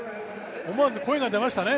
思わず声が出ましたね。